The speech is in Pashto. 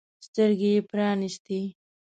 سترګې يې پرانیستې.